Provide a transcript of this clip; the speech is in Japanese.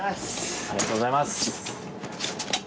ありがとうございます。